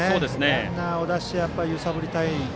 ランナーを出して揺さぶりたい。